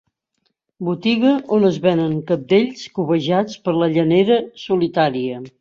Botiga on es venen cabdells cobejats per la llanera solitària.